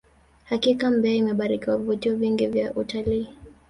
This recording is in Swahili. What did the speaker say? hakika mbeya imebarikiwa vivutio vingi vya utalii